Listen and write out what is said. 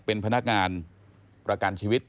เป็นพนักงานประกันชีวิต